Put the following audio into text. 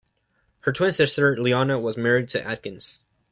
Her twin sister Leona was married to Atkins.